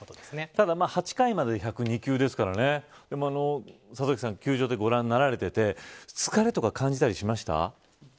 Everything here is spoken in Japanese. ただ、８回までで１０２球ですから里崎さん球場でご覧になられていて疲れとかは感じたりしましたか。